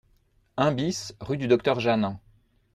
un BIS rue du Docteur Jeannin